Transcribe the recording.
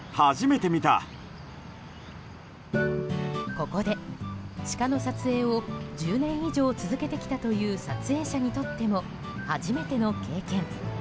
ここで、シカの撮影を１０年以上続けてきたという撮影者にとっても初めての経験。